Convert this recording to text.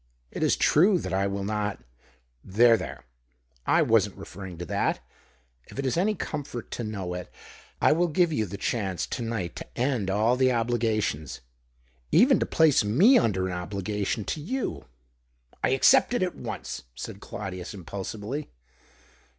It is true that I will not " "There, there — I wasn't referring to that. If it is any comfort to know it, 1 will give you the chance to night to end all the THK OCTAVE OP CLAUDIUS. 99 obligations — even to place me under an obli gation to you." " I accept it at once !" said Claudius, impulsively.